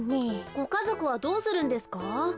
ごかぞくはどうするんですか？